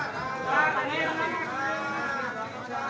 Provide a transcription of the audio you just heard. semua pun bersiksa